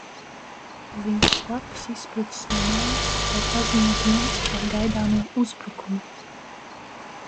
Viņš slepus izsprucis no mājas, lai paziņotu mums par gaidāmo uzbrukumu.